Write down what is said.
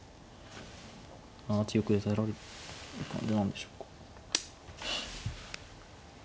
７八玉で耐えられる感じなんでしょうか。